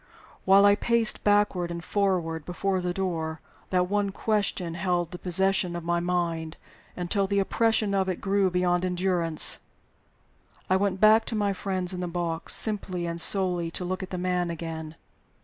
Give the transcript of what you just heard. While I paced backward and forward before the door, that one question held possession of my mind, until the oppression of it grew beyond endurance. I went back to my friends in the box, simply and solely to look at the man again.